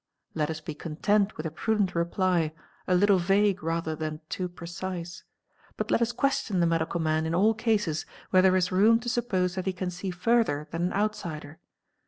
Let us be content with a prudent reply, a little vague rather than too precise ; but let us question the medical man in all cases where there is room to suppose that he can see further than an outsider.